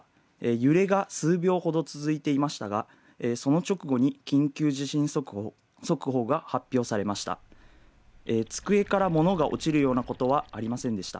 揺れが数秒ほど続いていましたが、その直後に緊急地震速報が発表されました。